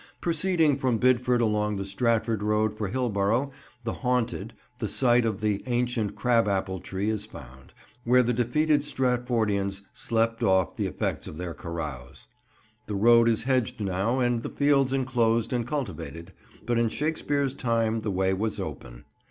Proceeding from Bidford along the Stratford road for Hillborough the haunted, the site of the ancient crab apple tree is found, where the defeated Stratfordians slept off the effects of their carouse. The road is hedged now and the fields enclosed and cultivated, but in Shakespeare's time the way was open.